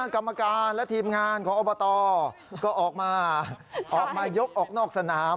กรรมการและทีมงานของอบตก็ออกมาออกมายกออกนอกสนาม